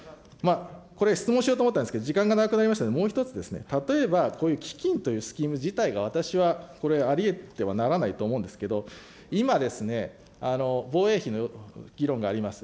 これ、質問しようと思ったんですけれども、時間がなくなりましたのでもう１つ、例えば、こういう基金というスキーム自体が私はありえてはならないと思うんですけど、今ですね、防衛費の議論があります。